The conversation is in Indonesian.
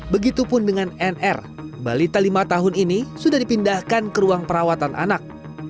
begitupun dengan nr balita lima tahun ini sudah dipindahkan ke ruang perawatan anak